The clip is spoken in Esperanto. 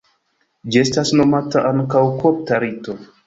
Ĝi estas nomata ankaŭ kopta rito.